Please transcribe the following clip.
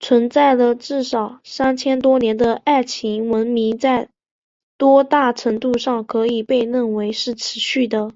存在了至少三千多年的爱琴文明在多大程度上可以被认为是持续的？